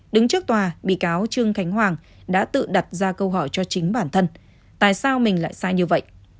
đứng trước tòa bị cáo trương khánh hoàng đã tự đặt ra câu hỏi cho chính bản thân tại sao mình lại sai như vậy